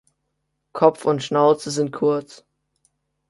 Kopf und Schnauze sind kurz.